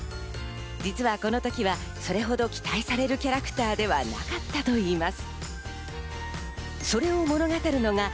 実はこの時はそれほど期待されるキャラクターではなかったといいます。